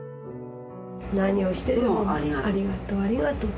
何をしてでもありがとうありがとうって。